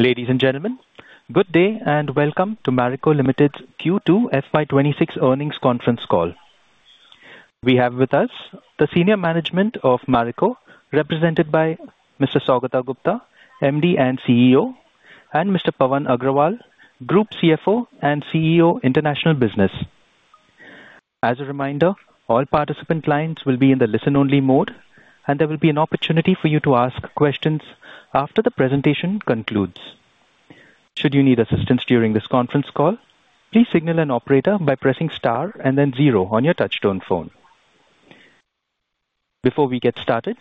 Ladies and gentlemen, good day and welcome to Marico Limited's Q2 FY26 earnings conference call. We have with us the senior management of Marico, represented by Mr. Saugata Gupta, MD and CEO, and Mr. Pawan Agrawal, Group CFO and CEO, International Business. As a reminder, all participant lines will be in the listen-only mode, and there will be an opportunity for you to ask questions after the presentation concludes. Should you need assistance during this conference call, please signal an operator by pressing star and then zero on your touchstone phone. Before we get started,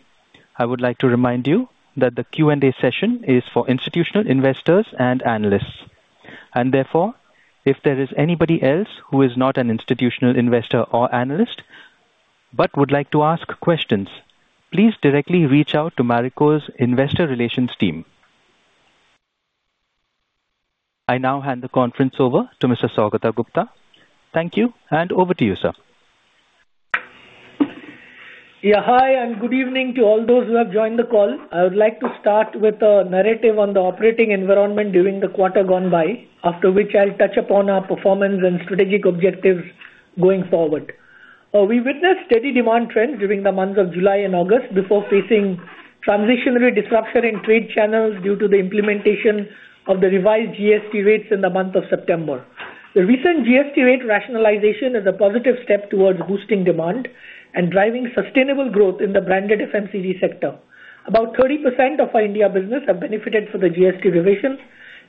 I would like to remind you that the Q&A session is for institutional investors and analysts. Therefore, if there is anybody else who is not an institutional investor or analyst but would like to ask questions, please directly reach out to Marico's investor relations team. I now hand the conference over to Mr. Saugata Gupta. Thank you, and over to you, sir. Yeah, hi, and good evening to all those who have joined the call. I would like to start with a narrative on the operating environment during the quarter gone by, after which I'll touch upon our performance and strategic objectives going forward. We witnessed steady demand trends during the months of July and August before facing transitionary disruption in trade channels due to the implementation of the revised GST rates in the month of September. The recent GST rate rationalization is a positive step towards boosting demand and driving sustainable growth in the branded FMCG sector. About 30% of our India business has benefited from the GST revision,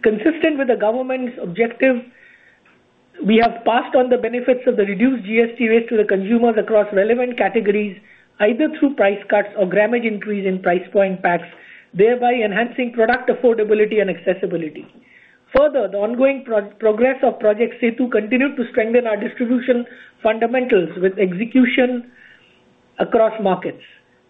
consistent with the government's objective. We have passed on the benefits of the reduced GST rate to the consumers across relevant categories, either through price cuts or grammage increase in price point packs, thereby enhancing product affordability and accessibility. Further, the ongoing progress of Project Sethu continued to strengthen our distribution fundamentals with execution across markets.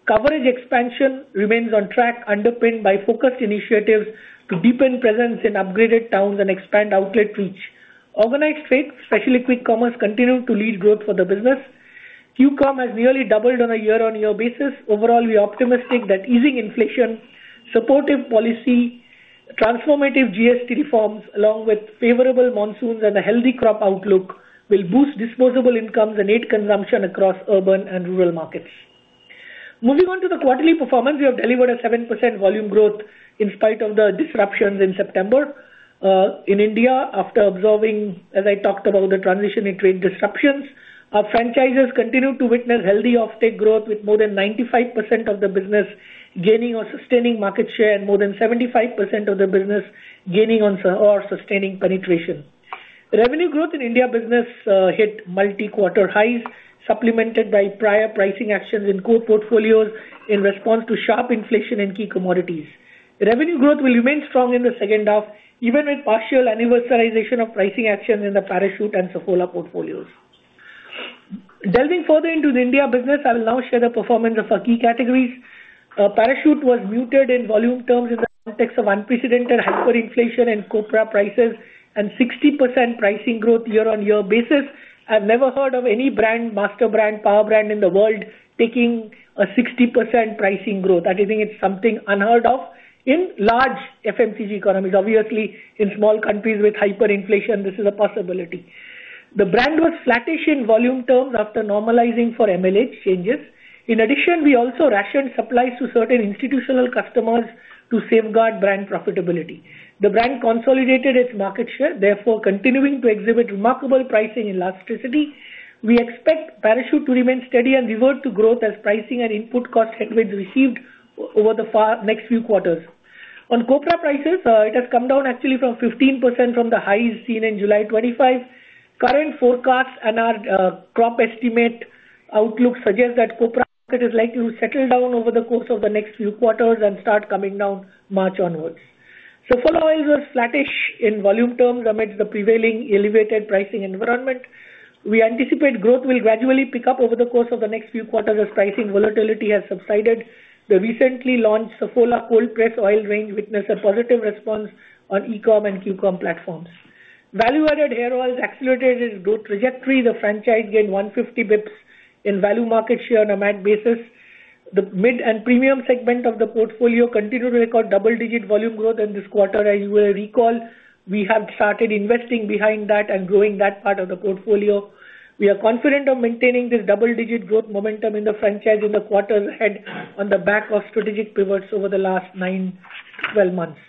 Coverage expansion remains on track, underpinned by focused initiatives to deepen presence in upgraded towns and expand outlet reach. Organized trade, especially quick commerce, continued to lead growth for the business. QCOM has nearly doubled on a year-on-year basis. Overall, we are optimistic that easing inflation, supportive policy, transformative GST reforms, along with favorable monsoons and a healthy crop outlook, will boost disposable incomes and aid consumption across urban and rural markets. Moving on to the quarterly performance, we have delivered a 7% volume growth in spite of the disruptions in September. In India, after absorbing, as I talked about, the transitionary trade disruptions, our franchises continued to witness healthy off-take growth, with more than 95% of the business gaining or sustaining market share and more than 75% of the business gaining or sustaining penetration. Revenue growth in India business hit multi-quarter highs, supplemented by prior pricing actions in core portfolios in response to sharp inflation in key commodities. Revenue growth will remain strong in the second half, even with partial anniversarization of pricing actions in the Parachute and Saffola portfolios. Delving further into the India business, I will now share the performance of our key categories. Parachute was muted in volume terms in the context of unprecedented hyperinflation and copra prices and 60% pricing growth year-on-year basis. I've never heard of any brand, master brand, power brand in the world taking a 60% pricing growth. I think it's something unheard of in large FMCG economies. Obviously, in small countries with hyperinflation, this is a possibility. The brand was flattish in volume terms after normalizing for MLH changes. In addition, we also rationed supplies to certain institutional customers to safeguard brand profitability. The brand consolidated its market share, therefore continuing to exhibit remarkable pricing elasticity. We expect Parachute to remain steady and revert to growth as pricing and input cost headwinds are receded over the next few quarters. On copra prices, it has come down actually by 15% from the highs seen in July 2025. Current forecasts and our crop estimate outlook suggest that the copra market is likely to settle down over the course of the next few quarters and start coming down March onwards. Saffola oil was flattish in volume terms amidst the prevailing elevated pricing environment. We anticipate growth will gradually pick up over the course of the next few quarters as pricing volatility has subsided. The recently launched Saffola Cold Press oil range witnessed a positive response on ECOM and QCOM platforms. Value-added hair oils accelerated its growth trajectory. The franchise gained 150 basis points in value market share on a MAC basis. The mid and premium segment of the portfolio continued to record double-digit volume growth in this quarter. As you will recall, we have started investing behind that and growing that part of the portfolio. We are confident of maintaining this double-digit growth momentum in the franchise in the quarter ahead on the back of strategic pivots over the last 9-12 months.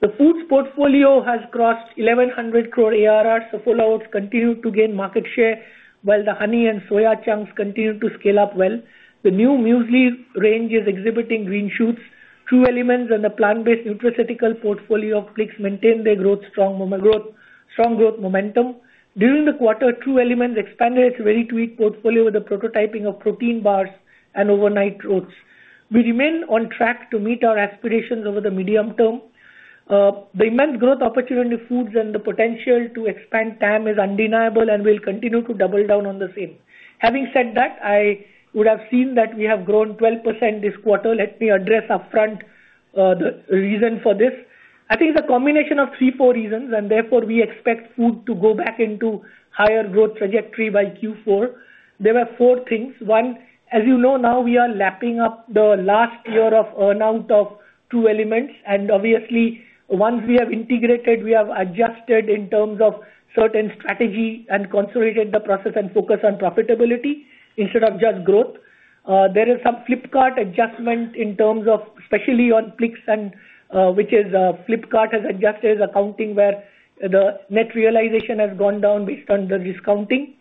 The foods portfolio has crossed 1,100 crore ARR. Saffola oats continue to gain market share, while the honey and soya chunks continue to scale up well. The new muesli range is exhibiting green shoots. True Elements and the plant-based nutraceutical portfolio of Plix maintain their strong growth momentum. During the quarter, True Elements expanded its very tweaked portfolio with the prototyping of protein bars and overnight oats. We remain on track to meet our aspirations over the medium term. The immense growth opportunity in foods and the potential to expand TAM is undeniable and will continue to double down on the same. Having said that, I would have seen that we have grown 12% this quarter. Let me address upfront the reason for this. I think it is a combination of three, four reasons, and therefore we expect food to go back into higher growth trajectory by Q4. There were four things. One, as you know now, we are lapping up the last year of earnout of True Elements. Obviously, once we have integrated, we have adjusted in terms of certain strategy and consolidated the process and focus on profitability instead of just growth. There is some Flipkart adjustment in terms of, especially on flakes, which is Flipkart has adjusted accounting where the net realization has gone down based on the discounting.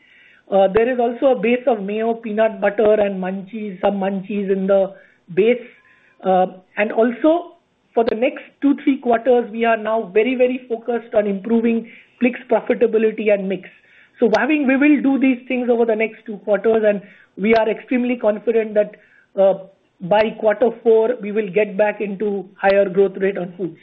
There is also a base of mayo, peanut butter, and some munchies in the base. Also, for the next two to three quarters, we are now very, very focused on improving flakes profitability and mix. We will do these things over the next two quarters, and we are extremely confident that by quarter four, we will get back into higher growth rate on foods.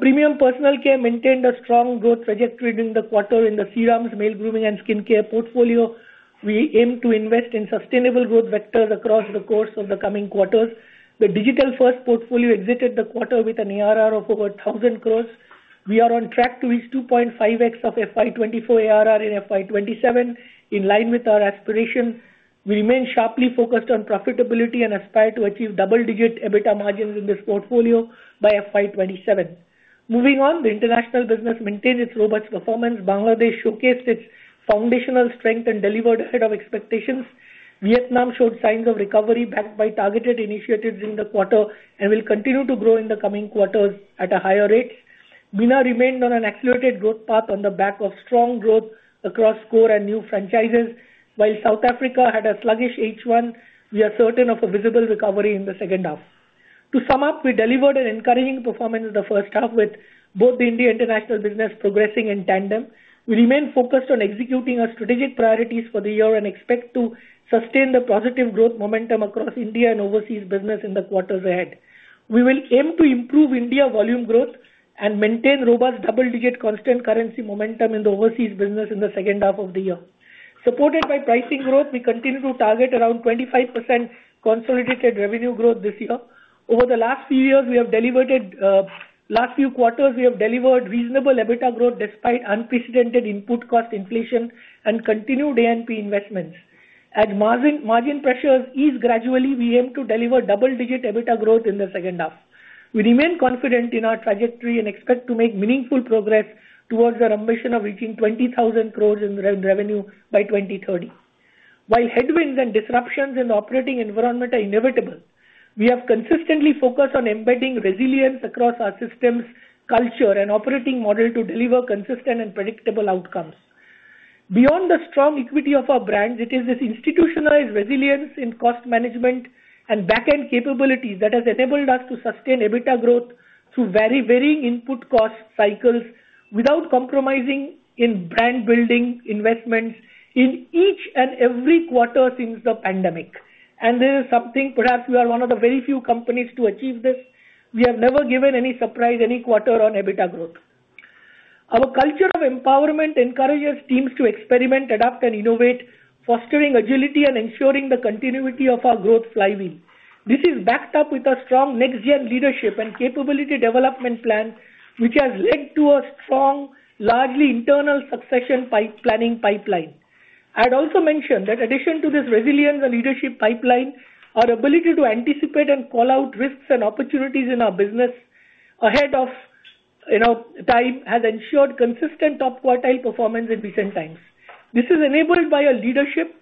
Premium personal care maintained a strong growth trajectory during the quarter in the serums, male grooming, and skincare portfolio. We aim to invest in sustainable growth vectors across the course of the coming quarters. The digital-first portfolio exited the quarter with an ARR of over 1,000 crore. We are on track to reach 2.5x of FY 2024 ARR in FY 2027, in line with our aspiration. We remain sharply focused on profitability and aspire to achieve double-digit EBITDA margins in this portfolio by FY 2027. Moving on, the international business maintained its robust performance. Bangladesh showcased its foundational strength and delivered ahead of expectations. Vietnam showed signs of recovery backed by targeted initiatives in the quarter and will continue to grow in the coming quarters at a higher rate. MENA remained on an accelerated growth path on the back of strong growth across core and new franchises. While South Africa had a sluggish H1, we are certain of a visible recovery in the second half. To sum up, we delivered an encouraging performance in the first half, with both the India international business progressing in tandem. We remain focused on executing our strategic priorities for the year and expect to sustain the positive growth momentum across India and overseas business in the quarters ahead. We will aim to improve India volume growth and maintain robust double-digit constant currency momentum in the overseas business in the second half of the year. Supported by pricing growth, we continue to target around 25% consolidated revenue growth this year. Over the last few years, we have delivered reasonable EBITDA growth despite unprecedented input cost inflation and continued A&P investments. As margin pressures ease gradually, we aim to deliver double-digit EBITDA growth in the second half. We remain confident in our trajectory and expect to make meaningful progress towards the ambition of reaching 20,000 crore in revenue by 2030. While headwinds and disruptions in the operating environment are inevitable, we have consistently focused on embedding resilience across our systems, culture, and operating model to deliver consistent and predictable outcomes. Beyond the strong equity of our brands, it is this institutionalized resilience in cost management and backend capabilities that has enabled us to sustain EBITDA growth through very varying input cost cycles without compromising in brand building investments in each and every quarter since the pandemic. This is something perhaps we are one of the very few companies to achieve. We have never given any surprise any quarter on EBITDA growth. Our culture of empowerment encourages teams to experiment, adapt, and innovate, fostering agility and ensuring the continuity of our growth flywheel. This is backed up with a strong next-gen leadership and capability development plan, which has led to a strong, largely internal succession planning pipeline. I'd also mention that in addition to this resilience and leadership pipeline, our ability to anticipate and call out risks and opportunities in our business ahead of time has ensured consistent top quartile performance in recent times. This is enabled by a leadership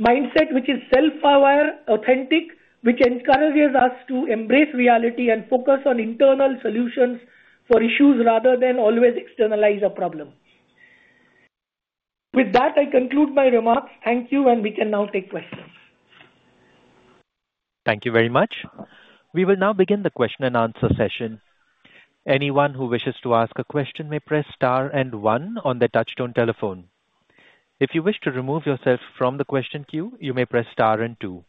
mindset, which is self-aware, authentic, which encourages us to embrace reality and focus on internal solutions for issues rather than always externalize a problem. With that, I conclude my remarks. Thank you, and we can now take questions. Thank you very much. We will now begin the question and answer session. Anyone who wishes to ask a question may press star and one on the touchstone telephone. If you wish to remove yourself from the question queue, you may press star and two.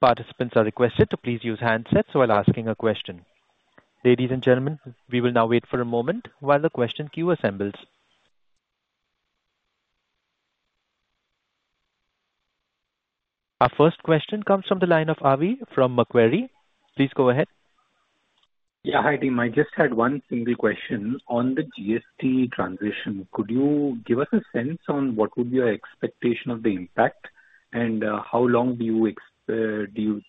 Participants are requested to please use handsets while asking a question. Ladies and gentlemen, we will now wait for a moment while the question queue assembles. Our first question comes from the line of Avi from Macquarie. Please go ahead. Yeah, hi, team. I just had one single question. On the GST transition, could you give us a sense on what would be your expectation of the impact and how long do you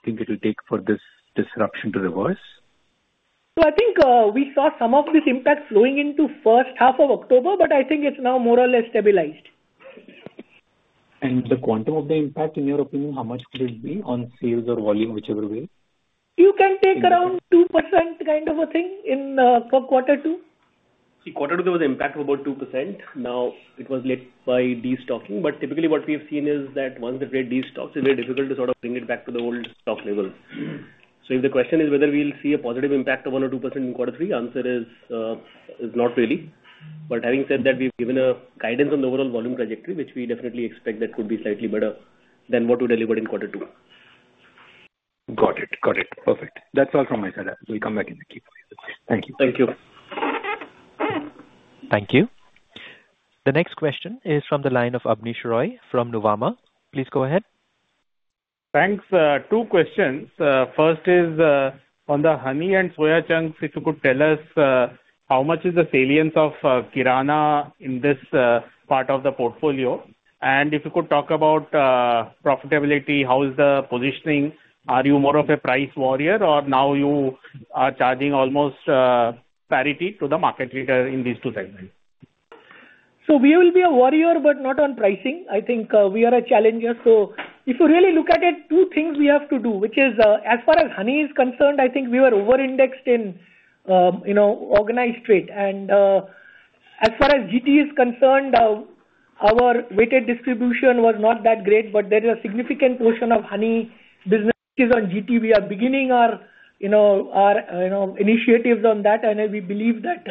think it will take for this disruption to reverse? I think we saw some of this impact flowing into the first half of October, but I think it's now more or less stabilized. The quantum of the impact, in your opinion, how much could it be on sales or volume, whichever way? You can take around 2% kind of a thing in quarter two. See, quarter two there was an impact of about 2%. Now, it was lit by de-stocking, but typically what we have seen is that once the trade de-stocks, it's very difficult to sort of bring it back to the old stock levels. If the question is whether we'll see a positive impact of 1% or 2% in quarter three, the answer is not really. Having said that, we've given guidance on the overall volume trajectory, which we definitely expect that could be slightly better than what we delivered in quarter two. Got it. Got it. Perfect. That's all from my side. We'll come back in a few. Thank you. Thank you. Thank you. The next question is from the line of Abneesh Roy from Nuvama. Please go ahead. Thanks. Two questions. First is on the honey and soya chunks, if you could tell us how much is the salience of Kirana in this part of the portfolio. If you could talk about profitability, how is the positioning? Are you more of a price warrior, or now you are charging almost parity to the market leader in these two segments? We will be a warrior, but not on pricing. I think we are a challenger. If you really look at it, two things we have to do, which is as far as honey is concerned, I think we were over-indexed in organized trade. As far as GT is concerned, our weighted distribution was not that great, but there is a significant portion of honey business on GT. We are beginning our initiatives on that, and we believe that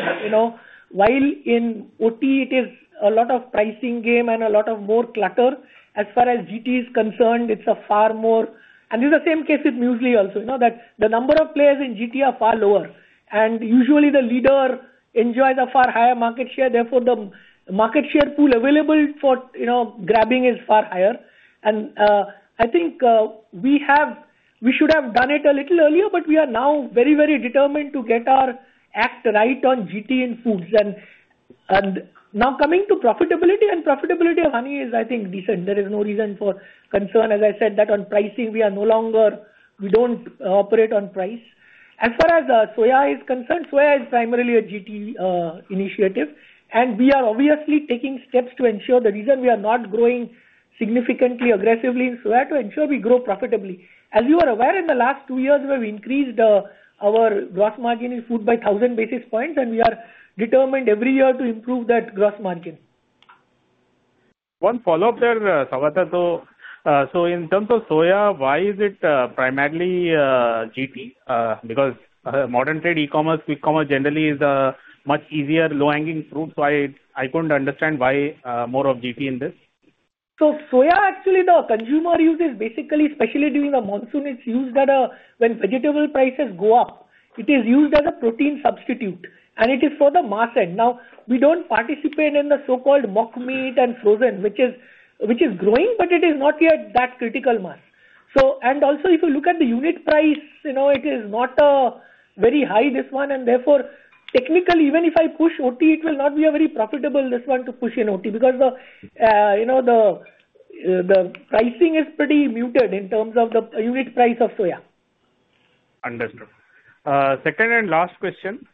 while in OT, it is a lot of pricing game and a lot more clutter. As far as GT is concerned, it is a far more—and it is the same case with muesli also. The number of players in GT are far lower, and usually the leader enjoys a far higher market share. Therefore, the market share pool available for grabbing is far higher. I think we should have done it a little earlier, but we are now very, very determined to get our act right on GT in foods. Now coming to profitability, profitability of honey is, I think, decent. There is no reason for concern. As I said, that on pricing, we do not operate on price. As far as soya is concerned, soya is primarily a GT initiative, and we are obviously taking steps to ensure the reason we are not growing significantly aggressively in soya is to ensure we grow profitably. As you are aware, in the last two years, we have increased our gross margin in food by 1,000 basis points, and we are determined every year to improve that gross margin. One follow-up there, Saugata. In terms of soya, why is it primarily GT? Modern trade, e-commerce, quick commerce generally is a much easier low-hanging fruit. I could not understand why more of GT in this? Soya, actually, the consumer uses basically, especially during the monsoon, it's used when vegetable prices go up. It is used as a protein substitute, and it is for the mass end. Now, we do not participate in the so-called mock meat and frozen, which is growing, but it is not yet that critical mass. Also, if you look at the unit price, it is not very high, this one. Therefore, technically, even if I push OT, it will not be very profitable, this one, to push in OT because the pricing is pretty muted in terms of the unit price of soya. Understood. Second and last question.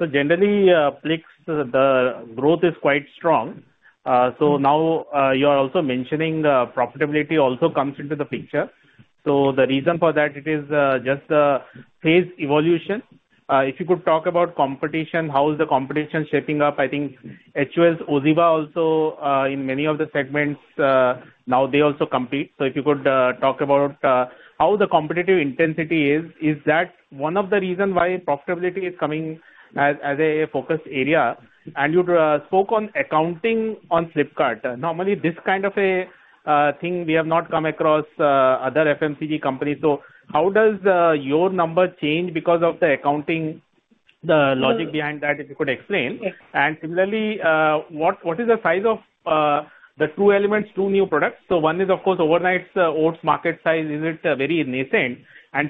Generally, flakes, the growth is quite strong. Now you are also mentioning profitability also comes into the picture. The reason for that, is it just the phase evolution? If you could talk about competition, how is the competition shaping up? I think HOLs, OZeWASP also, in many of the segments, now they also compete. If you could talk about how the competitive intensity is, is that one of the reasons why profitability is coming as a focus area? You spoke on accounting on Flipkart. Normally, this kind of a thing we have not come across other FMCG companies. How does your number change because of the accounting? The logic behind that, if you could explain. Similarly, what is the size of the True Elements, two new products? One is, of course, overnight oats market size. Is it very nascent?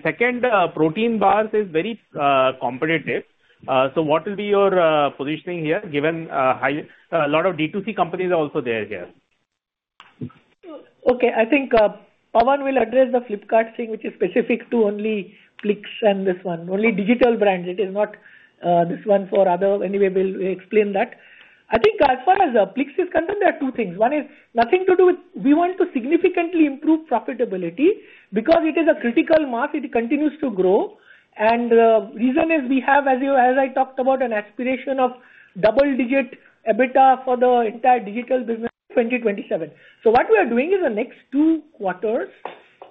Second, protein bars is very competitive. What will be your positioning here given a lot of D2C companies are also there? Okay. I think Pawan will address the Flipkart thing, which is specific to only flakes and this one. Only digital brands. It is not this one for other. Anyway, we will explain that. I think as far as flakes is concerned, there are two things. One is nothing to do with we want to significantly improve profitability because it is a critical mass. It continues to grow. The reason is we have, as I talked about, an aspiration of double-digit EBITDA for the entire digital business 2027. What we are doing is the next two quarters,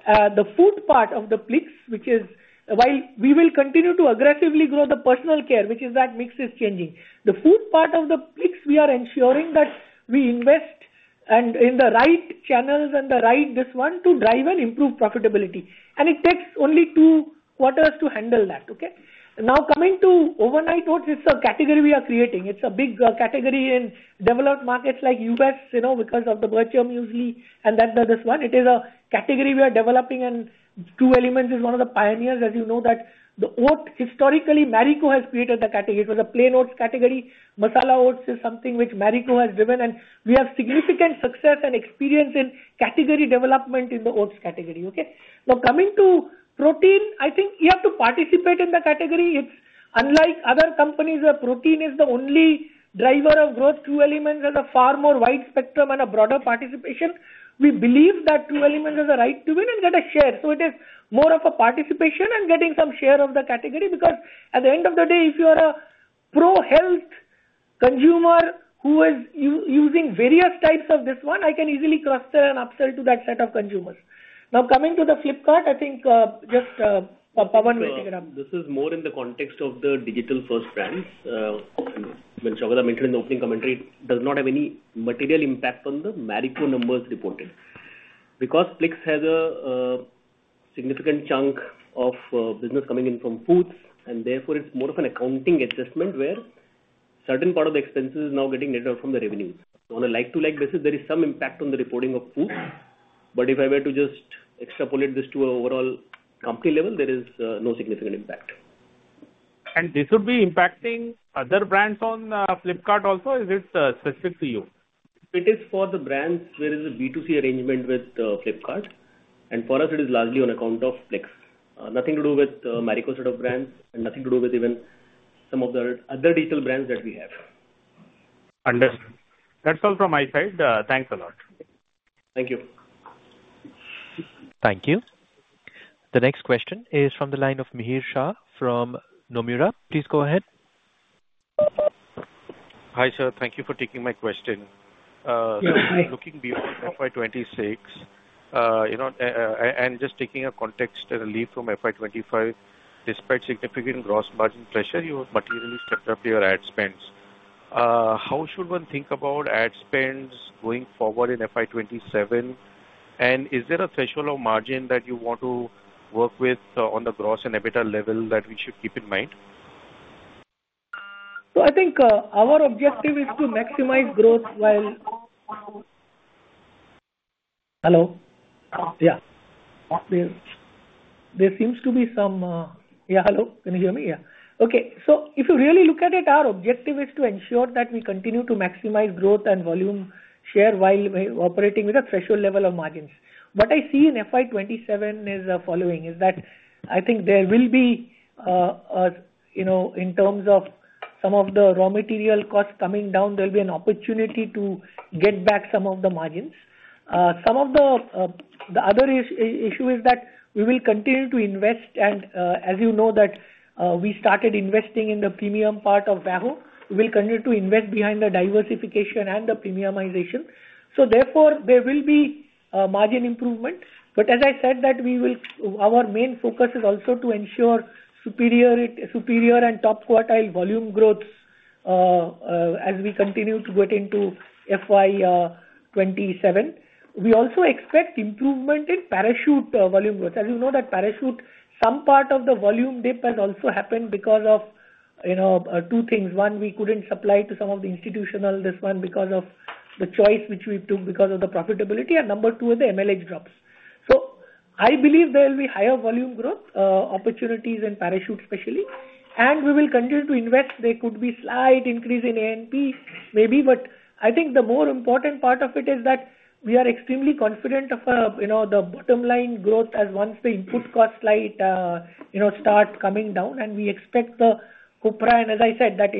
the food part of the flakes, which is while we will continue to aggressively grow the personal care, which is that mix is changing. The food part of the flakes, we are ensuring that we invest in the right channels and the right this one to drive and improve profitability. It takes only two quarters to handle that. Okay? Now, coming to overnight oats, it's a category we are creating. It's a big category in developed markets like the US because of the virtue of muesli and this one. It is a category we are developing, and True Elements is one of the pioneers, as you know, that the oat historically, Marico has created the category. It was a plain oats category. Masala oats is something which Marico has driven, and we have significant success and experience in category development in the oats category. Okay? Now, coming to protein, I think you have to participate in the category. It's unlike other companies. Protein is the only driver of growth. True Elements has a far more wide spectrum and a broader participation. We believe that True Elements has the right to win and get a share. It is more of a participation and getting some share of the category because at the end of the day, if you are a pro-health consumer who is using various types of this one, I can easily cross-sell and upsell to that set of consumers. Now, coming to Flipkart, I think just Pawan will take it up. This is more in the context of the digital-first brands. When Saugata mentioned in the opening commentary, it does not have any material impact on the Marico numbers reported because Plix has a significant chunk of business coming in from foods, and therefore, it is more of an accounting adjustment where a certain part of the expenses is now getting netted out from the revenues. On a like-to-like basis, there is some impact on the reporting of foods, but if I were to just extrapolate this to an overall company level, there is no significant impact. Would this be impacting other brands on Flipkart also, or is it specific to you? It is for the brands where it is a B2C arrangement with Flipkart. For us, it is largely on account of flakes. Nothing to do with Marico set of brands and nothing to do with even some of the other digital brands that we have. Understood. That's all from my side. Thanks a lot. Thank you. Thank you. The next question is from the line of Mihir Shah from Nomura. Please go ahead. Hi sir. Thank you for taking my question. Looking beyond FY26, and just taking a context and a leap from FY25, despite significant gross margin pressure, you have materially stepped up your ad spends. How should one think about ad spends going forward in FY27? Is there a threshold of margin that you want to work with on the gross and EBITDA level that we should keep in mind? I think our objective is to maximize growth while— Hello? Yeah. There seems to be some—yeah, hello? Can you hear me? Yeah. Okay. If you really look at it, our objective is to ensure that we continue to maximize growth and volume share while operating with a threshold level of margins. What I see in FY2027 is the following: I think there will be, in terms of some of the raw material costs coming down, there will be an opportunity to get back some of the margins. The other issue is that we will continue to invest, and as you know, we started investing in the premium part of Wahoo. We will continue to invest behind the diversification and the premiumization. Therefore, there will be margin improvement. As I said, our main focus is also to ensure superior and top quartile volume growth as we continue to get into FY2027. We also expect improvement in Parachute volume growth. As you know, some part of the volume dip has also happened because of two things. One, we could not supply to some of the institutional—this one—because of the choice which we took because of the profitability. Number two is the MLH drops. I believe there will be higher volume growth opportunities in Parachute, especially. We will continue to invest. There could be a slight increase in A&P maybe, but I think the more important part of it is that we are extremely confident of the bottom line growth as once the input costs start coming down. We expect the copra, and as I said, that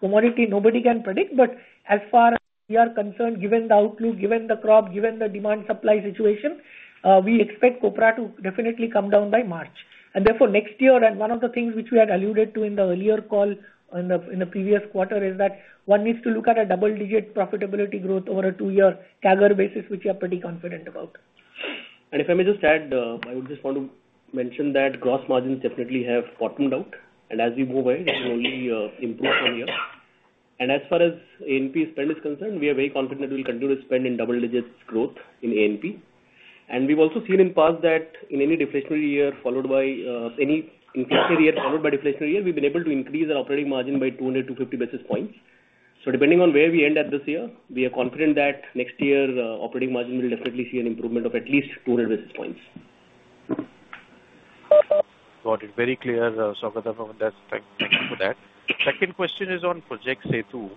commodity nobody can predict. As far as we are concerned, given the outlook, given the crop, given the demand-supply situation, we expect copra to definitely come down by March. Therefore, next year, and one of the things which we had alluded to in the earlier call in the previous quarter is that one needs to look at a double-digit profitability growth over a two-year CAGR basis, which we are pretty confident about. If I may just add, I would just want to mention that gross margins definitely have bottomed out, and as we move away, it will only improve from here. As far as A&P spend is concerned, we are very confident that we will continue to spend in double-digit growth in A&P. We have also seen in the past that in any deflationary year followed by any inflationary year followed by deflationary year, we have been able to increase our operating margin by 200 to 250 basis points. Depending on where we end at this year, we are confident that next year operating margin will definitely see an improvement of at least 200 basis points. Got it. Very clear, Saugata, Pawan. Thank you for that. Second question is on Project Sethu.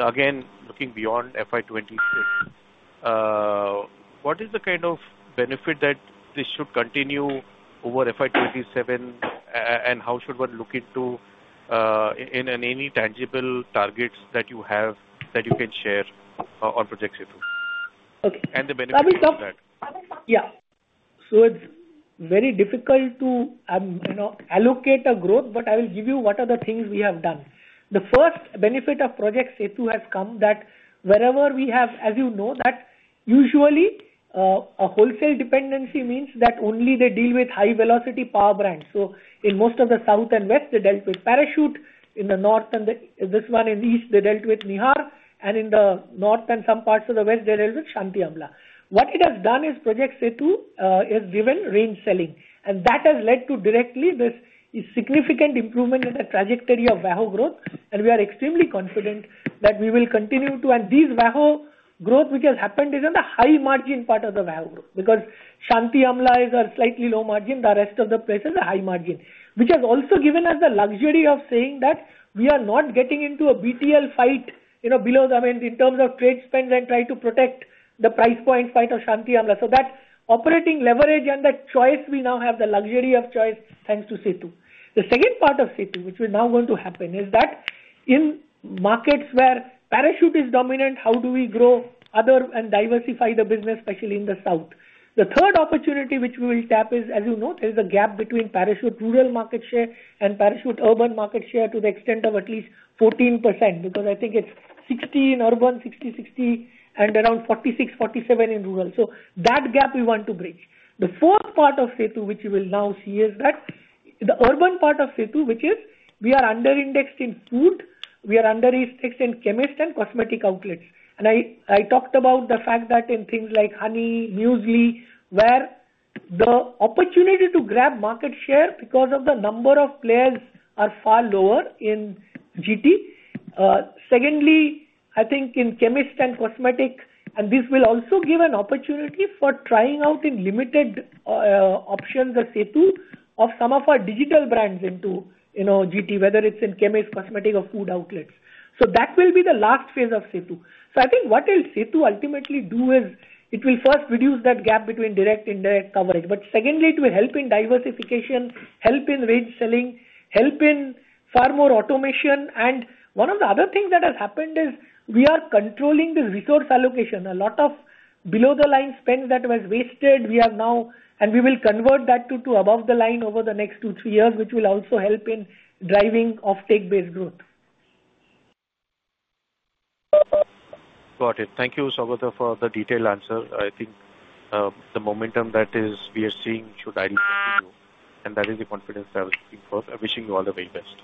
Again, looking beyond FY 2026, what is the kind of benefit that this should continue over FY 2027, and how should one look into any tangible targets that you have that you can share on Project Sethu? And the benefits of that. Yeah. It is very difficult to allocate a growth, but I will give you what are the things we have done. The first benefit of Project Sethu has come that wherever we have, as you know, that usually a wholesale dependency means that only they deal with high-velocity power brands. In most of the south and west, they dealt with Parachute. In the north and in the east, they dealt with Nihar. In the north and some parts of the west, they dealt with Shanti Amla. What it has done is Project Sethu has driven range selling. That has led to directly this significant improvement in the trajectory of Wahoo growth. We are extremely confident that we will continue to—and this Wahoo growth, which has happened, is in the high-margin part of the Wahoo growth because Shanti Amla is a slightly low-margin. The rest of the place is a high-margin, which has also given us the luxury of saying that we are not getting into a BTL fight below the means in terms of trade spend and try to protect the price point fight of Shanti Amla. That operating leverage and that choice, we now have the luxury of choice thanks to Sethu. The second part of Sethu, which we are now going to happen, is that in markets where Parachute is dominant, how do we grow other and diversify the business, especially in the south? The third opportunity which we will tap is, as you know, there is a gap between Parachute rural market share and Parachute urban market share to the extent of at least 14% because I think it is 60 in urban, 60, 60, and around 46, 47 in rural. That gap we want to break. The fourth part of Sethu, which you will now see, is that the urban part of Sethu, which is we are under-indexed in food, we are under-indexed in chemist and cosmetic outlets. I talked about the fact that in things like honey, muesli, where the opportunity to grab market share because of the number of players is far lower in GT. Secondly, I think in chemist and cosmetic, and this will also give an opportunity for trying out in limited options of Sethu of some of our digital brands into GT, whether it is in chemist, cosmetic, or food outlets. That will be the last phase of Sethu. I think what Sethu ultimately will do is it will first reduce that gap between direct and indirect coverage. Secondly, it will help in diversification, help in range selling, help in far more automation. One of the other things that has happened is we are controlling the resource allocation. A lot of below-the-line spend that was wasted, we have now, and we will convert that to above-the-line over the next two to three years, which will also help in driving off-take-based growth. Got it. Thank you, Saugata, for the detailed answer. I think the momentum that we are seeing should ideally continue to grow. That is the confidence that I was looking for. I'm wishing you all the very best.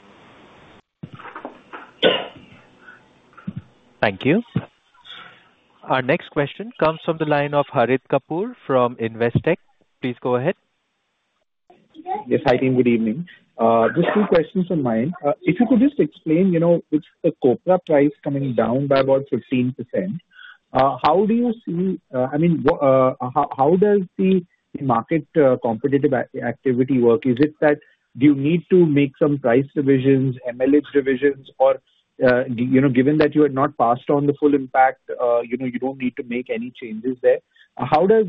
Thank you. Our next question comes from the line of Harit Kapoor from Investec. Please go ahead. Yes, hi. Good evening. Just two questions on mine. If you could just explain, with the copra price coming down by about 15%, how do you see—I mean, how does the market competitive activity work? Is it that you need to make some price revisions, MLH revisions, or given that you had not passed on the full impact, you do not need to make any changes there? How does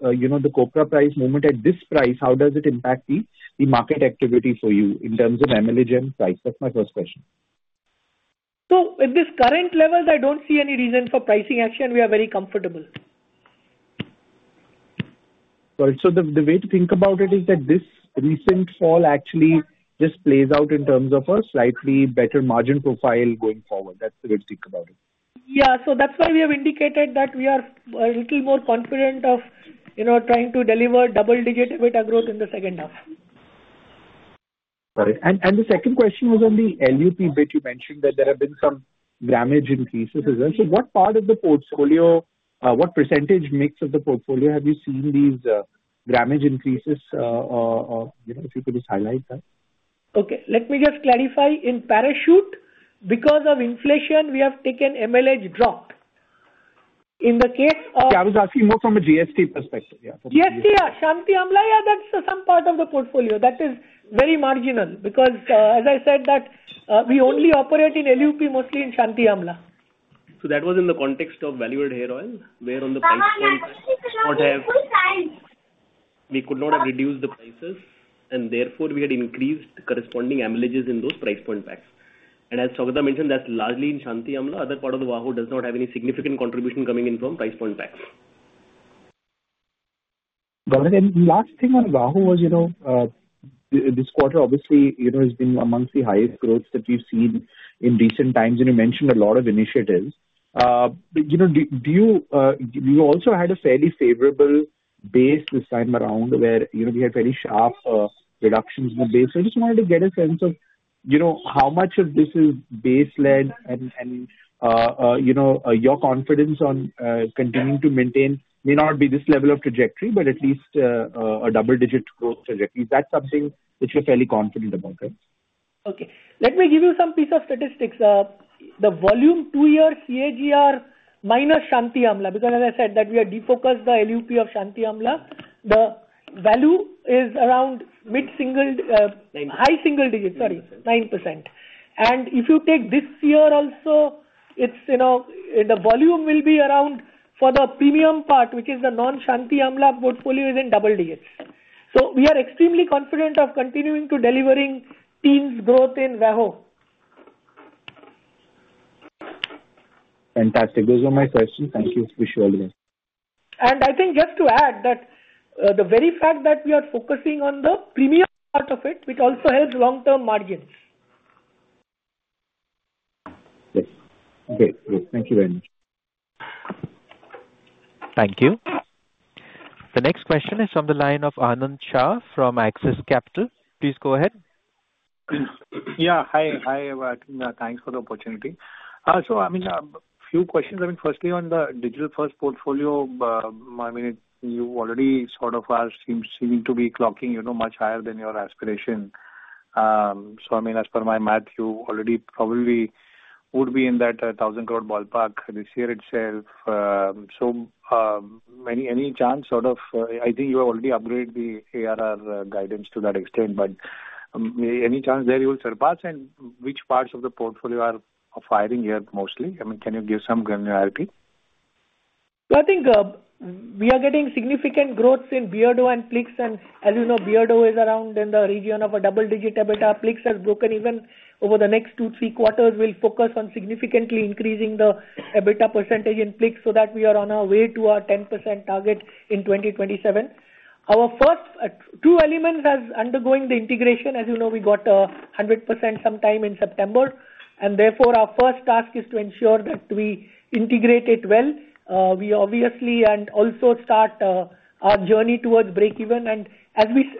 the copra price movement at this price, how does it impact the market activity for you in terms of MLH and price? That is my first question. At this current level, I don't see any reason for pricing action. We are very comfortable. Got it. The way to think about it is that this recent fall actually just plays out in terms of a slightly better margin profile going forward. That is the way to think about it. Yeah. That's why we have indicated that we are a little more confident of trying to deliver double-digit EBITDA growth in the second half. Got it. The second question was on the LUP bit. You mentioned that there have been some grammage increases. What part of the portfolio, what percentage mix of the portfolio have you seen these grammage increases? If you could just highlight that. Okay. Let me just clarify. In Parachute, because of inflation, we have taken MLH drop. In the case of. Yeah. I was asking more from a GST perspective. Yeah. GST, yeah. Shanti Amla, yeah, that's some part of the portfolio. That is very marginal because, as I said, we only operate in LUP, mostly in Shanti Amla. That was in the context of value-added hair oil where on the price point, we could not have. I could not have. We could not have reduced the prices, and therefore, we had increased corresponding MLHs in those price point packs. As Saugata mentioned, that's largely in Shanti Amla. The other part of the Wahoo does not have any significant contribution coming in from price point packs. Got it. Last thing on Wahoo was this quarter obviously has been amongst the highest growth that we've seen in recent times. You mentioned a lot of initiatives. Do you also had a fairly favorable base this time around where we had fairly sharp reductions in the base? I just wanted to get a sense of how much of this is base-led, and your confidence on continuing to maintain may not be this level of trajectory, but at least a double-digit growth trajectory. Is that something that you're fairly confident about? Okay. Let me give you some piece of statistics. The volume two-year CAGR minus Shanti Amla, because as I said, we have defocused the LUP of Shanti Amla, the value is around mid-single-high single digits, sorry, 9%. And if you take this year also, the volume will be around for the premium part, which is the non-Shanti Amla portfolio, is in double digits. So we are extremely confident of continuing to delivering teens growth in Wahoo. Fantastic. Those were my questions. Thank you. Wish you all the best. I think just to add that the very fact that we are focusing on the premium part of it, which also helps long-term margins. Yes. Okay. Great. Thank you very much. Thank you. The next question is from the line of Anand Shah from Axis Capital. Please go ahead. Yeah. Hi and thanks for the opportunity. I mean, a few questions. Firstly, on the digital-first portfolio, I mean, you already sort of are seeming to be clocking much higher than your aspiration. I mean, as per my math, you already probably would be in that 1,000 crore ballpark this year itself. Any chance, I think you have already upgraded the ARR guidance to that extent. Any chance there you will surpass? Which parts of the portfolio are firing here mostly? I mean, can you give some granularity? I think we are getting significant growth in Beardo and Plix. And as you know, Beardo is around in the region of a double-digit EBITDA. Plix has broken even over the next two-three quarters. We'll focus on significantly increasing the EBITDA percentage in Plix so that we are on our way to our 10% target in 2027. Our True Elements are undergoing the integration. As you know, we got 100% sometime in September. Therefore, our first task is to ensure that we integrate it well. We obviously and also start our journey towards breakeven. As we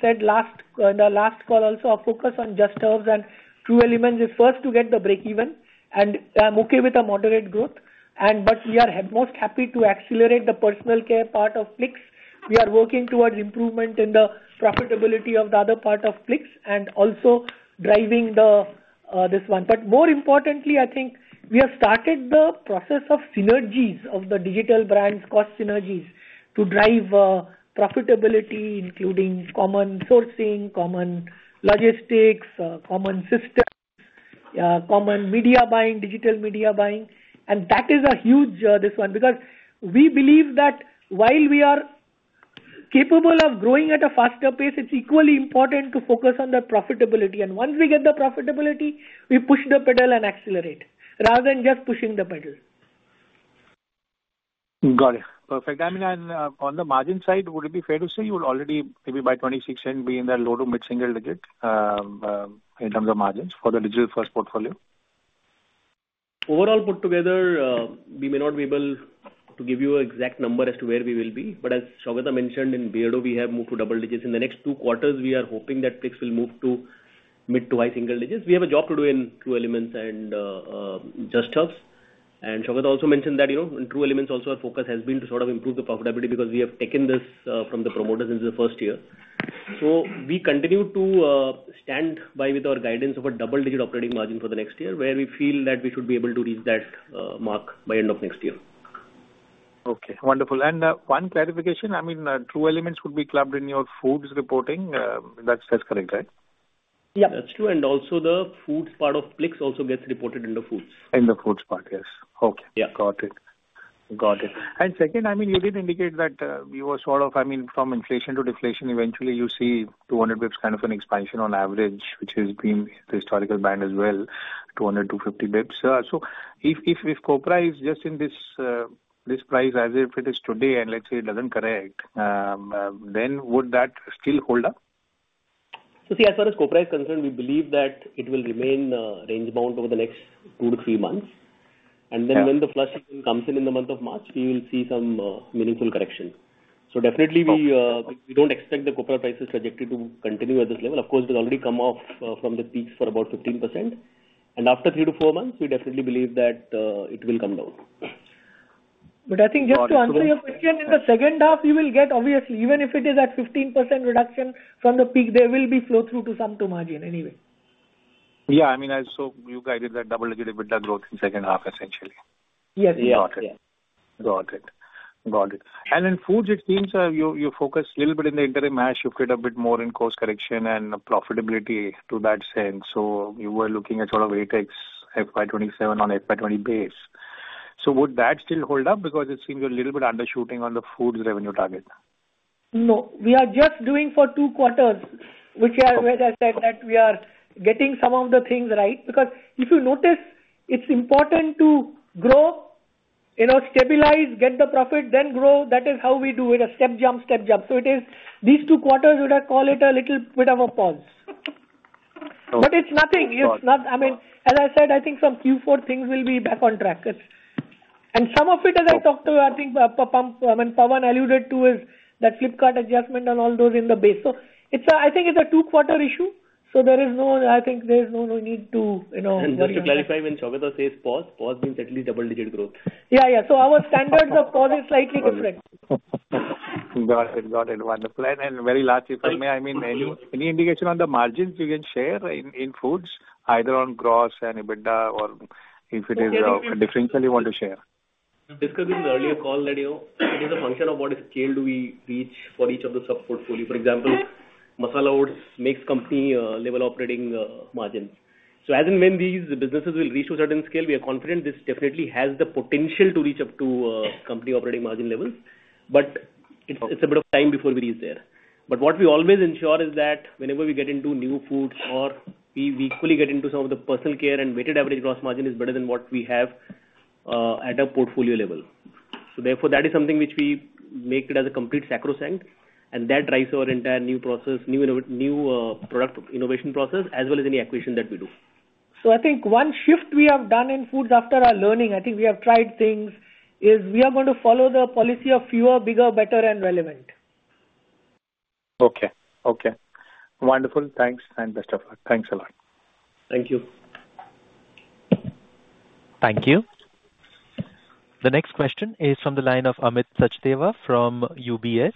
said in the last call, also our focus on Just Herbs and True Elements is first to get the breakeven. I'm okay with a moderate growth. We are most happy to accelerate the personal care part of Plix. We are working towards improvement in the profitability of the other part of Plix and also driving this one. More importantly, I think we have started the process of synergies of the digital brands, cost synergies to drive profitability, including common sourcing, common logistics, common systems, common media buying, digital media buying. That is a huge one because we believe that while we are capable of growing at a faster pace, it's equally important to focus on the profitability. Once we get the profitability, we push the pedal and accelerate rather than just pushing the pedal. Got it. Perfect. I mean, on the margin side, would it be fair to say you would already maybe by 2026 be in that low to mid-single digit in terms of margins for the digital-first portfolio? Overall put together, we may not be able to give you an exact number as to where we will be. But as Saugata mentioned, in Beardo, we have moved to double digits. In the next two quarters, we are hoping that Plix will move to mid to high single digits. We have a job to do in True Elements and Just Herbs. And Saugata also mentioned that in True Elements, also our focus has been to sort of improve the profitability because we have taken this from the promoters in the first year. We continue to stand by with our guidance of a double-digit operating margin for the next year where we feel that we should be able to reach that mark by the end of next year. Okay. Wonderful. And one clarification. I mean, True Elements would be clubbed in your foods reporting. That's correct, right? Yeah. That's true. Also, the foods part of Plix also gets reported in the foods. In the foods part, yes. Okay. Got it. Got it. And second, I mean, you did indicate that we were sort of, I mean, from inflation to deflation, eventually you see 200 basis points kind of an expansion on average, which has been the historical band as well, 200-250 basis points. If copra is just in this price as if it is today and let's say it does not correct, then would that still hold up? See, as far as copra is concerned, we believe that it will remain range-bound over the next two to three months. When the flush comes in in the month of March, we will see some meaningful correction. We do not expect the copra prices trajectory to continue at this level. Of course, it has already come off from the peaks for about 15%. After three to four months, we definitely believe that it will come down. I think just to answer your question, in the second half, we will get obviously, even if it is at 15% reduction from the peak, there will be flow-through to some to margin anyway. Yeah. I mean, so you guided that double-digit EBITDA growth in the second half, essentially. Yes. Got it. Got it. And in foods, it seems you focused a little bit in the interim as you've hit a bit more in cost correction and profitability to that sense. You were looking at sort of ATEX FY2027 on FY2020 base. Would that still hold up because it seems you're a little bit undershooting on the foods revenue target? No. We are just doing for two quarters, which is where I said that we are getting some of the things right because if you notice, it's important to grow, stabilize, get the profit, then grow. That is how we do it. A step jump, step jump. It is these two quarters, would I call it a little bit of a pause. It's nothing. I mean, as I said, I think some Q4 things will be back on track. Some of it, as I talked to, I think Pawan alluded to, is that Flipkart adjustment and all those in the base. I think it's a two-quarter issue. There is no, I think there is no need to worry about it. Just to clarify, when Saugata says pause, pause means at least double-digit growth. Yeah. Yeah. Our standards of pause is slightly different. Got it. Got it. Wonderful. Very lastly from me, I mean, any indication on the margins you can share in foods, either on gross and EBITDA or if it is a differential you want to share? We have discussed in the earlier call that it is a function of what scale do we reach for each of the sub-portfolio. For example, Masala Oats makes company-level operating margins. As and when these businesses will reach a certain scale, we are confident this definitely has the potential to reach up to company operating margin levels. It is a bit of time before we reach there. What we always ensure is that whenever we get into new foods or we equally get into some of the personal care and weighted average gross margin is better than what we have at a portfolio level. Therefore, that is something which we make it as a complete sacrosanct. And that drives our entire new process, new product innovation process, as well as any acquisition that we do. I think one shift we have done in foods after our learning, I think we have tried things, is we are going to follow the policy of fewer, bigger, better, and relevant. Okay. Okay. Wonderful. Thanks. And best of luck. Thanks a lot. Thank you. Thank you. The next question is from the line of Amit Sachdeva from UBS.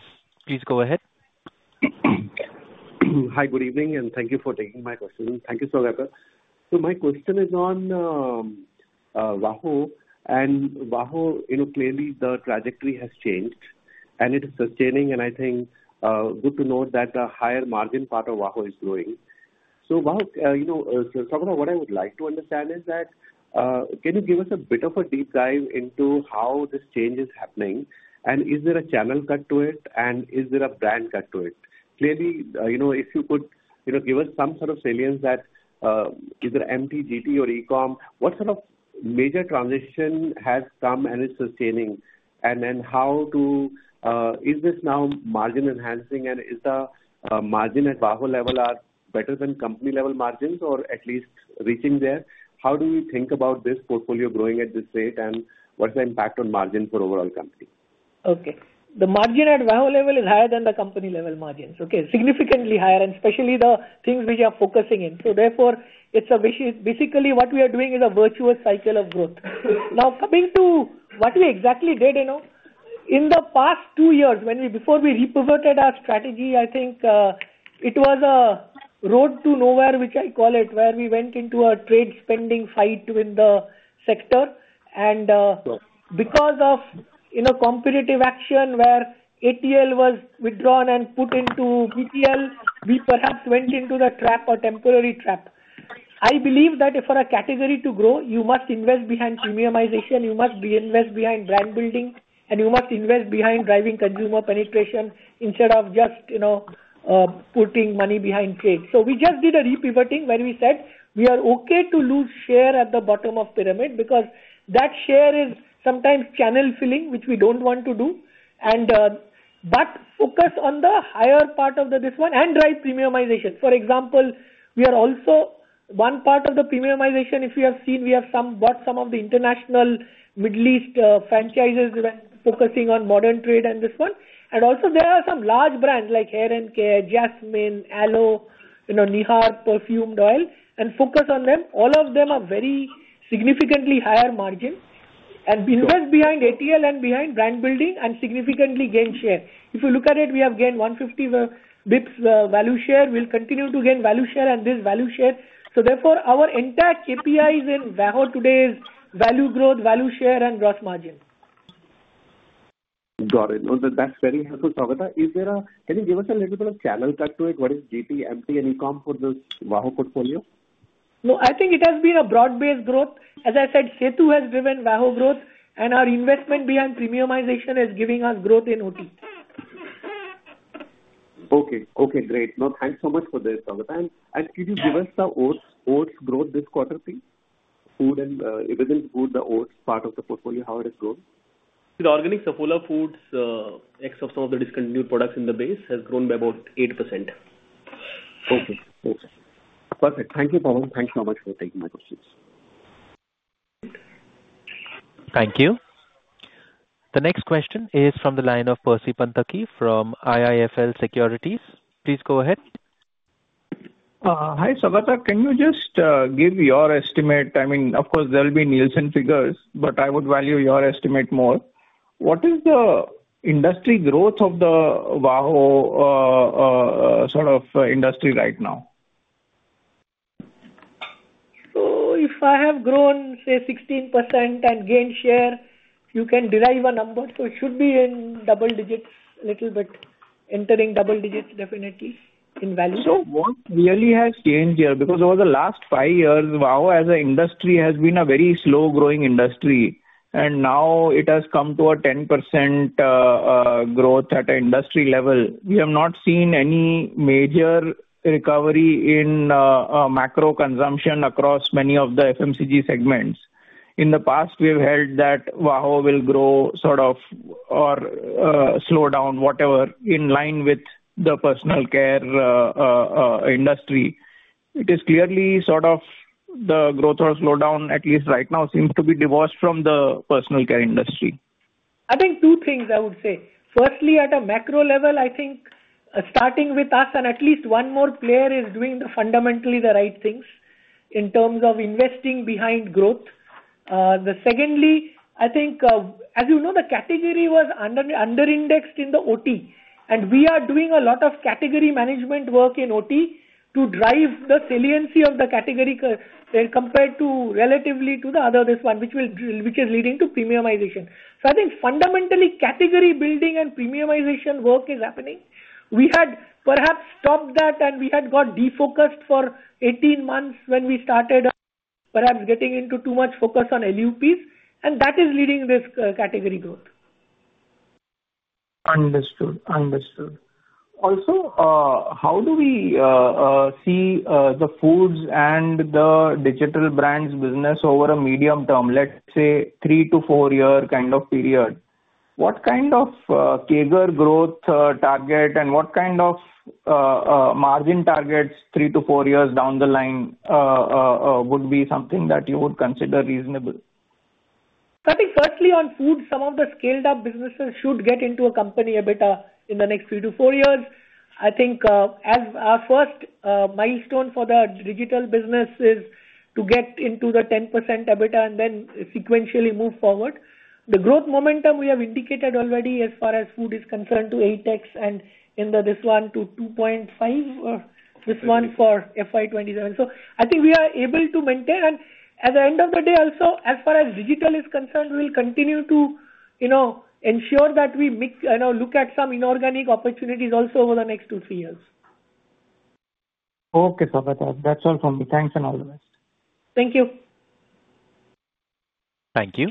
Please go ahead. Hi. Good evening. Thank you for taking my question. Thank you, Saugata. My question is on Wahoo. Wahoo, clearly, the trajectory has changed. It is sustaining. I think good to note that the higher margin part of Wahoo is growing. Saugata, what I would like to understand is can you give us a bit of a deep dive into how this change is happening? Is there a channel cut to it? Is there a brand cut to it? Clearly, if you could give us some sort of salience that either MTGT or ECOM, what sort of major transition has come and is sustaining? How is this now margin enhancing? Is the margin at Wahoo level better than company-level margins or at least reaching there? How do we think about this portfolio growing at this rate? What's the impact on margin for overall company? Okay. The margin at Wahoo level is higher than the company-level margins. Okay. Significantly higher. Especially the things which we are focusing in. Therefore, basically, what we are doing is a virtuous cycle of growth. Now, coming to what we exactly did, in the past two years, before we repivoted our strategy, I think it was a road to nowhere, which I call it, where we went into a trade spending fight with the sector. Because of competitive action where ATL was withdrawn and put into PTL, we perhaps went into the trap or temporary trap. I believe that for a category to grow, you must invest behind premiumization. You must invest behind brand building. You must invest behind driving consumer penetration instead of just putting money behind trade. We just did a repivoting where we said we are okay to lose share at the bottom of the pyramid because that share is sometimes channel filling, which we do not want to do. Focus on the higher part of this one and drive premiumization. For example, we are also one part of the premiumization. If you have seen, we have bought some of the international Middle East franchises when focusing on modern trade and this one. There are some large brands like Hair & Care, Jasmine, Alo, Nihar Perfumed Oil, and focus on them. All of them are very significantly higher margin. Invest behind ATL and behind brand building and significantly gain share. If you look at it, we have gained 150 basis points value share. We will continue to gain value share and this value share. Therefore, our entire KPIs in Wahoo today is value growth, value share, and gross margin. Got it. That's very helpful, Saugata. Can you give us a little bit of channel cut to what is GT, MT, and ECOM for this Wahoo portfolio? No. I think it has been a broad-based growth. As I said, K2 has driven Wahoo growth. Our investment behind premiumization is giving us growth in OT. Okay. Okay. Great. Thanks so much for this, Saugata. Could you give us the oats growth this quarter, please? Food and evidence good, the oats part of the portfolio, how it has grown? The organic Saffola foods, except some of the discontinued products in the base, has grown by about 8%. Okay. Okay. Perfect. Thank you, Pawan. Thanks so much for taking my questions. Thank you. The next question is from the line of Percy Panthaki from IIFL Securities. Please go ahead. Hi, Saugata. Can you just give your estimate? I mean, of course, there will be Nielsen figures, but I would value your estimate more. What is the industry growth of the Wahoo sort of industry right now? If I have grown, say, 16% and gained share, you can derive a number. It should be in double digits, a little bit entering double digits, definitely in value. What really has changed here? Because over the last five years, Wahoo as an industry has been a very slow-growing industry. And now it has come to a 10% growth at an industry level. We have not seen any major recovery in macro consumption across many of the FMCG segments. In the past, we have held that Wahoo will grow sort of or slow down, whatever, in line with the personal care industry. It is clearly sort of the growth or slowdown, at least right now, seems to be divorced from the personal care industry. I think two things I would say. Firstly, at a macro level, I think starting with us and at least one more player is doing fundamentally the right things in terms of investing behind growth. Secondly, I think, as you know, the category was underindexed in the OT. We are doing a lot of category management work in OT to drive the saliency of the category compared relatively to the other, this one, which is leading to premiumization. I think fundamentally category building and premiumization work is happening. We had perhaps stopped that, and we had got defocused for 18 months when we started perhaps getting into too much focus on LUPs. That is leading this category growth. Understood. Understood. Also, how do we see the foods and the digital brands business over a medium term, let's say three- to four-year kind of period? What kind of CAGR growth target and what kind of margin targets three to four years down the line would be something that you would consider reasonable? I think firstly on foods, some of the scaled-up businesses should get into a company EBITDA in the next three to four years. I think our first milestone for the digital business is to get into the 10% EBITDA and then sequentially move forward. The growth momentum we have indicated already as far as food is concerned to 8X and in this one to 2.5, this one for FY2027. I think we are able to maintain. At the end of the day, also, as far as digital is concerned, we will continue to ensure that we look at some inorganic opportunities also over the next two to three years. Okay, Saugata. That's all from me. Thanks and all the best. Thank you. Thank you.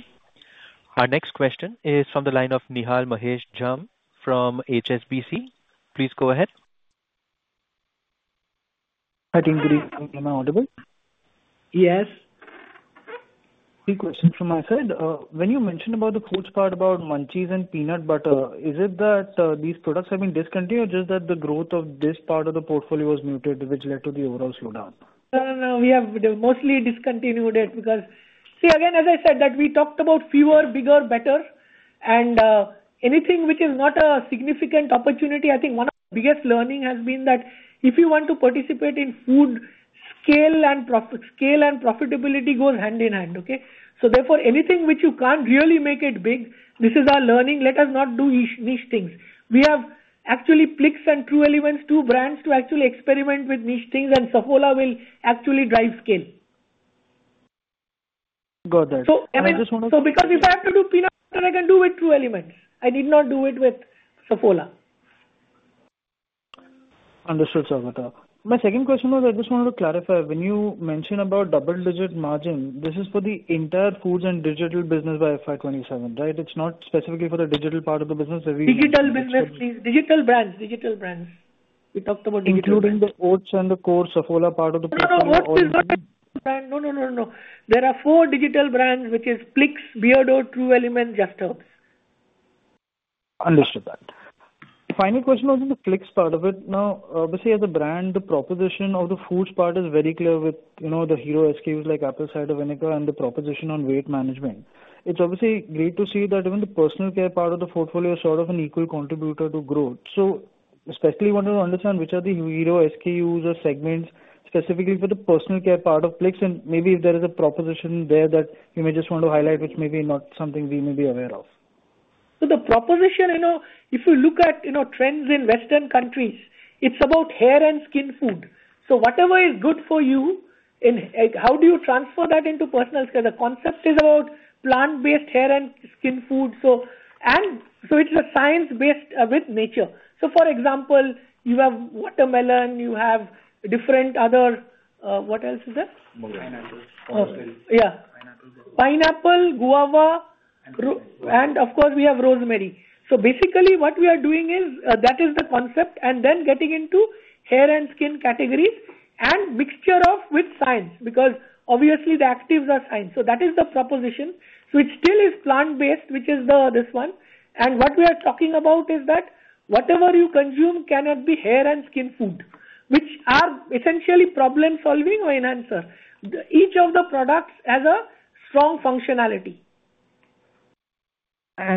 Our next question is from the line of Nihal Mahesh Jham from HSBC. Please go ahead. I think, Guru, you may be audible. Yes. Quick question from my side. When you mentioned about the foods part about munchies and peanut butter, is it that these products have been discontinued or just that the growth of this part of the portfolio was muted, which led to the overall slowdown? No, no, no. We have mostly discontinued it because, see, again, as I said, that we talked about fewer, bigger, better. Anything which is not a significant opportunity, I think one of the biggest learnings has been that if you want to participate in food, scale and profitability go hand in hand. Okay? Therefore, anything which you cannot really make big, this is our learning. Let us not do niche things. We have actually Plix and True Elements, two brands to actually experiment with niche things. Saffola will actually drive scale. Got it. Because if I have to do peanut butter, I can do with True Elements. I did not do it with Saffola. Understood, Saugata. My second question was I just wanted to clarify. When you mentioned about double-digit margin, this is for the entire foods and digital business by FY2027, right? It's not specifically for the digital part of the business that we. Digital business, please. Digital brands. We talked about digital brands. Including the oats and the core Saffola part of the portfolio. No, no, no. Oats is not a digital brand. No, no, no, no, no. There are four digital brands, which are Plix, Beardo, True Elements, Just Herbs. Understood that. Final question was in the Plix part of it. Now, obviously, as a brand, the proposition of the foods part is very clear with the hero SKUs like apple cider vinegar and the proposition on weight management. It's obviously great to see that even the personal care part of the portfolio is sort of an equal contributor to growth. Especially wanted to understand which are the hero SKUs or segments specifically for the personal care part of Plix. Maybe if there is a proposition there that you may just want to highlight, which may be not something we may be aware of. The proposition, if you look at trends in Western countries, is about hair and skin food. Whatever is good for you, how do you transfer that into personal care? The concept is about plant-based hair and skin food. It is science based with nature. For example, you have watermelon. You have different other, what else is there? Pineapple. Pineapple, guava. Of course, we have rosemary. Basically, what we are doing is that is the concept. Getting into hair and skin categories and mixture of with science because obviously the actives are science. That is the proposition. It still is plant-based, which is this one. What we are talking about is that whatever you consume cannot be hair and skin food, which are essentially problem-solving or enhancer. Each of the products has a strong functionality.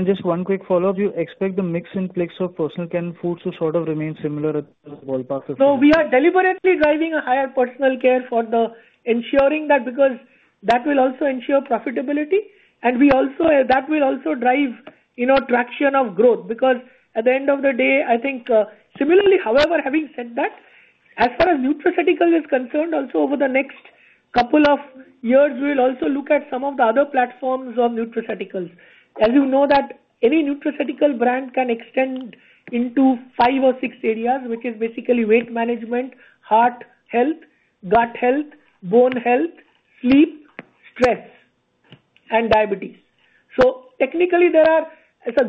Just one quick follow-up. You expect the mix in Plix or personal care and foods to sort of remain similar at the ballpark of? We are deliberately driving a higher personal care for ensuring that because that will also ensure profitability. That will also drive traction of growth because at the end of the day, I think similarly, however, having said that, as far as nutraceuticals is concerned, also over the next couple of years, we will also look at some of the other platforms of nutraceuticals. As you know, any nutraceutical brand can extend into five or six areas, which is basically weight management, heart health, gut health, bone health, sleep, stress, and diabetes. Technically, the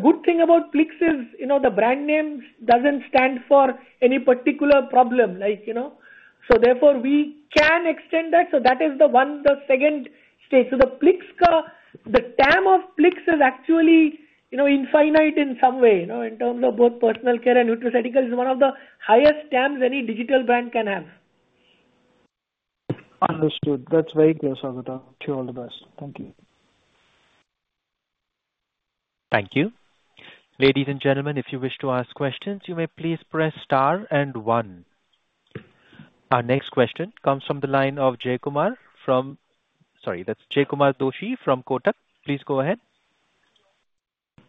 good thing about Plix is the brand name does not stand for any particular problem. Therefore, we can extend that. That is the second stage. The term of Plix is actually infinite in some way. In terms of both personal care and nutraceuticals, it's one of the highest terms any digital brand can have. Understood. That's very clear, Saugata. Wish you all the best. Thank you. Thank you. Ladies and gentlemen, if you wish to ask questions, you may please press star and one. Our next question comes from the line of Jaykumar, from sorry, that's Jaykumar Doshi from Kotak. Please go ahead.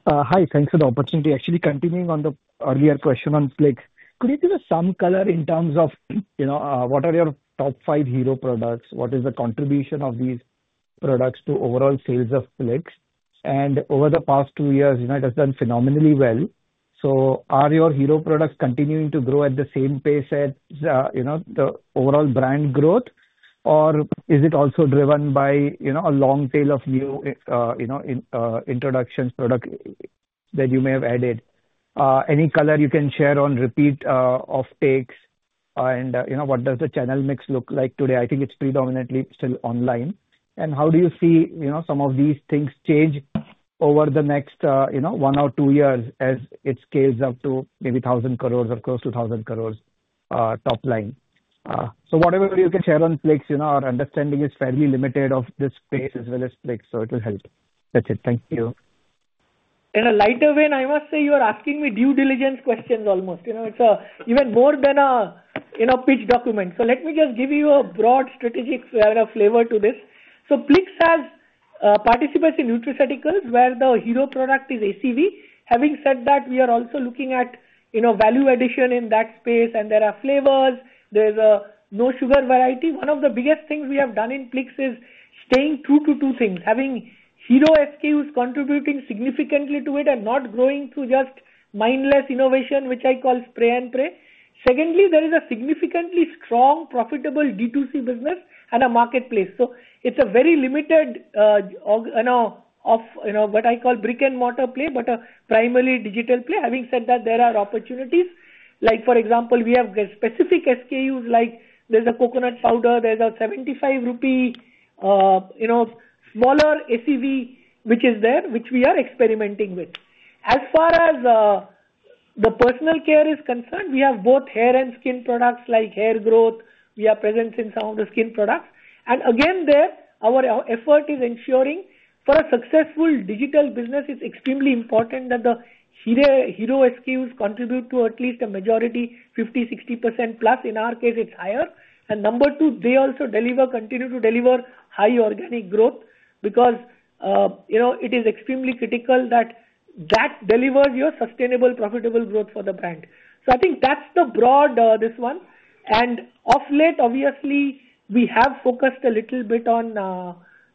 Hi. Thanks for the opportunity. Actually, continuing on the earlier question on Plix, could you give us some color in terms of what are your top five hero products? What is the contribution of these products to overall sales of Plix? Over the past two years, it has done phenomenally well. Are your hero products continuing to grow at the same pace as the overall brand growth, or is it also driven by a long tail of new introduction products that you may have added? Any color you can share on repeat uptakes? What does the channel mix look like today? I think it is predominantly still online. How do you see some of these things change over the next one or two years as it scales up to maybe 1,000 crore or close to 1,000 crore top line? Whatever you can share on Plix, our understanding is fairly limited of this space as well as Plix. It will help. That is it. Thank you. In a lighter vein, I must say you are asking me due diligence questions almost. It's even more than a pitch document. Let me just give you a broad strategic flavor to this. Plix has participants in nutraceuticals where the hero product is ACV. Having said that, we are also looking at value addition in that space. There are flavors. There is a no-sugar variety. One of the biggest things we have done in Plix is staying true to two things: having hero SKUs contributing significantly to it and not growing through just mindless innovation, which I call spray and pray. Secondly, there is a significantly strong profitable D2C business and a marketplace. It is a very limited, what I call, brick-and-mortar play, but a primarily digital play. Having said that, there are opportunities. For example, we have specific SKUs like there is a coconut powder. There's a 75 rupee smaller ACV, which is there, which we are experimenting with. As far as the personal care is concerned, we have both hair and skin products like hair growth. We are present in some of the skin products. Again, there, our effort is ensuring for a successful digital business, it's extremely important that the hero SKUs contribute to at least a majority, 50-60% plus. In our case, it's higher. Number two, they also continue to deliver high organic growth because it is extremely critical that that delivers your sustainable, profitable growth for the brand. I think that's the broad this one. Off late, obviously, we have focused a little bit on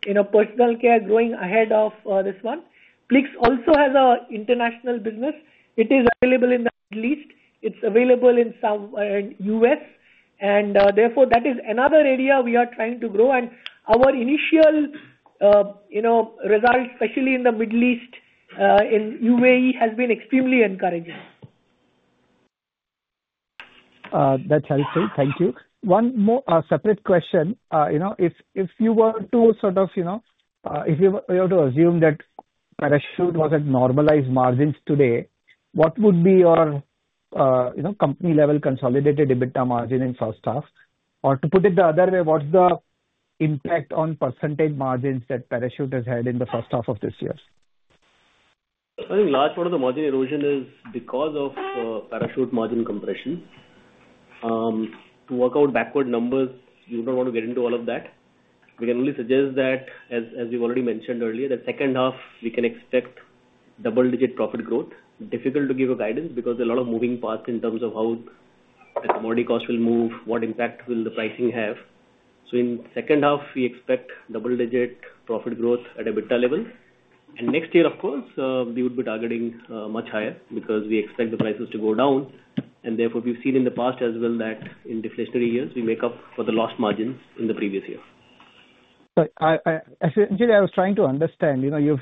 personal care growing ahead of this one. Plix also has an international business. It is available in the Middle East. It's available in the US. Therefore, that is another area we are trying to grow. Our initial result, especially in the Middle East, in UAE, has been extremely encouraging. That's helpful. Thank you. One more separate question. If you were to sort of, if we were to assume that Parachute was at normalized margins today, what would be your company-level consolidated EBITDA margin in first half? Or to put it the other way, what's the impact on % margins that Parachute has had in the first half of this year? I think the last part of the margin erosion is because of Parachute margin compression. To work out backward numbers, you don't want to get into all of that. We can only suggest that, as we've already mentioned earlier, the second half, we can expect double-digit profit growth. Difficult to give a guidance because there are a lot of moving parts in terms of how the commodity cost will move, what impact will the pricing have. In the second half, we expect double-digit profit growth at EBITDA level. Next year, of course, we would be targeting much higher because we expect the prices to go down. Therefore, we've seen in the past as well that in deflationary years, we make up for the lost margins in the previous year. Actually, I was trying to understand. You've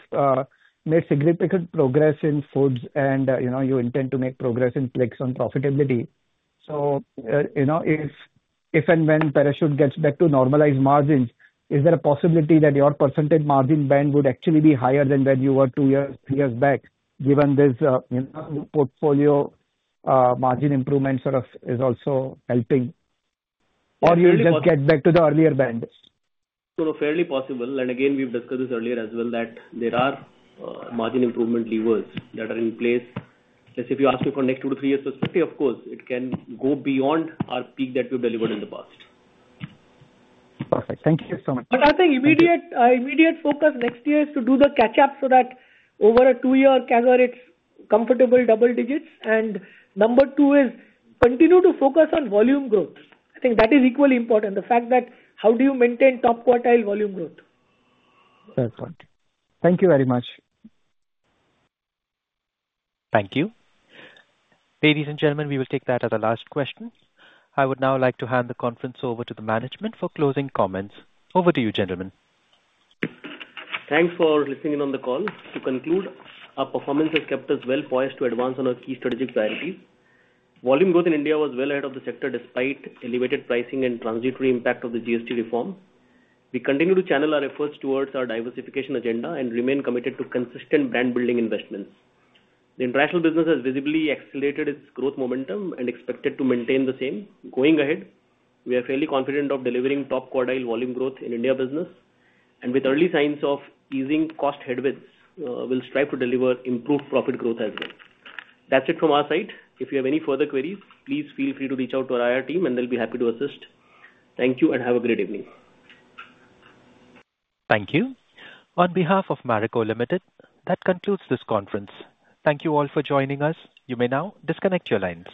made significant progress in foods, and you intend to make progress in Plix on profitability. If and when Parachute gets back to normalized margins, is there a possibility that your percentage margin band would actually be higher than when you were two years, three years back, given this portfolio margin improvement sort of is also helping? Or you'll just get back to the earlier band? Fairly possible. Again, we've discussed this earlier as well that there are margin improvement levers that are in place. Let's say if you ask me from next two to three years perspective, of course, it can go beyond our peak that we've delivered in the past. Perfect. Thank you so much. I think immediate focus next year is to do the catch-up so that over a two-year cadre, it's comfortable double digits. Number two is continue to focus on volume growth. I think that is equally important. The fact that how do you maintain top quartile volume growth? Excellent. Thank you very much. Thank you. Ladies and gentlemen, we will take that as the last question. I would now like to hand the conference over to the management for closing comments. Over to you, gentlemen. Thanks for listening in on the call. To conclude, our performance has kept us well poised to advance on our key strategic priorities. Volume growth in India was well ahead of the sector despite elevated pricing and transitory impact of the GST reform. We continue to channel our efforts towards our diversification agenda and remain committed to consistent brand-building investments. The international business has visibly accelerated its growth momentum and is expected to maintain the same. Going ahead, we are fairly confident of delivering top quartile volume growth in India business. With early signs of easing cost headwinds, we will strive to deliver improved profit growth as well. That is it from our side. If you have any further queries, please feel free to reach out to our IR team, and they will be happy to assist. Thank you and have a great evening. Thank you. On behalf of Marico Limited, that concludes this conference. Thank you all for joining us. You may now disconnect your lines.